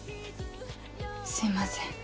すいません。